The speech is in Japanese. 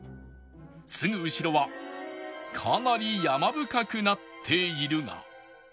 すぐ後ろはかなり山深くなっているが